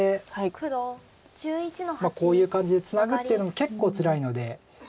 ただ③でこういう感じでツナぐっていうのも結構つらいので。